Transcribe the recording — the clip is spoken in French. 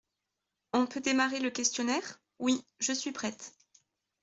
On peut démarrer le questionnaire ? Oui, je suis prête.